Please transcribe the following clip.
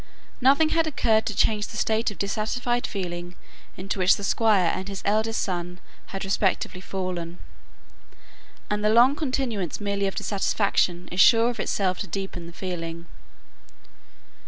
Nothing had occurred to change the state of dissatisfied feeling into which the Squire and his eldest son had respectively fallen; and the long continuance merely of dissatisfaction is sure of itself to deepen the feeling.